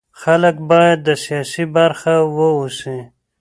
خلک باید د سیاست برخه واوسي